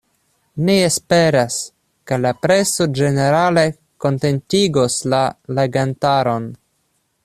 Ni esperas, ke la preso ĝenerale kontentigos la legantaron.